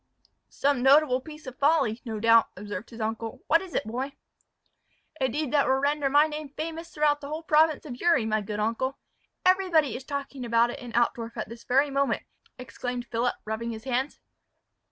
"Some notable piece of folly, no doubt," observed his uncle; "what is it, boy?" "A deed that will render my name famous throughout the whole province of Uri, my good uncle. Everybody is talking about it in Altdorf at this very moment," exclaimed Philip, rubbing his hands.